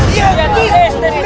ayo kita ke rumahnya si entis